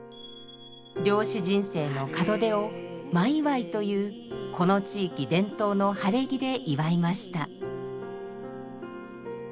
漁師人生の門出を萬祝というこの地域伝統の晴れ着で祝いました。